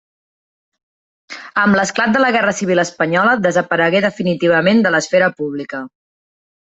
Amb l'esclat de la Guerra Civil espanyola desaparegué definitivament de l'esfera pública.